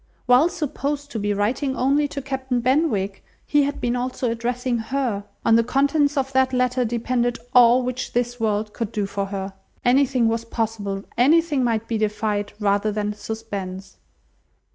While supposed to be writing only to Captain Benwick, he had been also addressing her! On the contents of that letter depended all which this world could do for her. Anything was possible, anything might be defied rather than suspense.